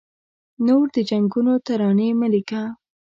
نور د جنګونو ترانې مه لیکه